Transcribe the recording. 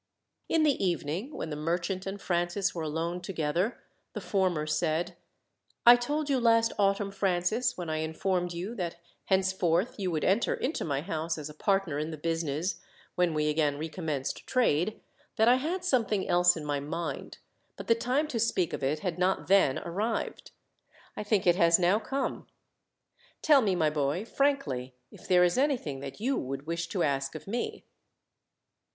In the evening, when the merchant and Francis were alone together, the former said: "I told you last autumn, Francis, when I informed you that, henceforth, you would enter into my house as a partner in the business, when we again recommenced trade, that I had something else in my mind, but the time to speak of it had not then arrived. I think it has now come. Tell me, my boy, frankly, if there is anything that you would wish to ask of me."